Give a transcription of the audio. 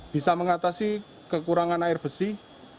bisa mengatasi kekurangan air bersih